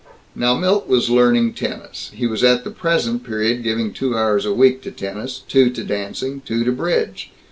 Now Milt was learning tennis. He was at the present period giving two hours a week to tennis, two to dancing, two to bridge.